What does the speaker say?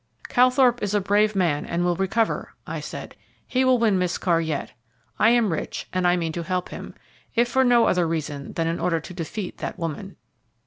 "Calthorpe is a brave man and will recover," I said. "He will win Miss Carr yet. I am rich, and I mean to help him, if for no other reason than in order to defeat that woman."